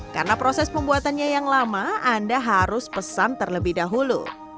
karena proses pembuatannya yang lama anda harus pesan terlebih dahulu